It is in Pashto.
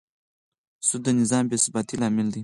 سود د نظام بېثباتي لامل دی.